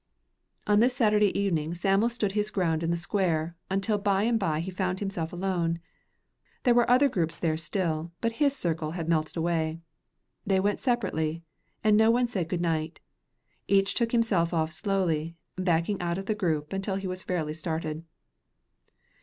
On this Saturday evening Sam'l stood his ground in the square, until by and by he found himself alone. There were other groups there still, but his circle had melted away. They went separately, and no one said good night. Each took himself off slowly, backing out of the group until he was fairly started.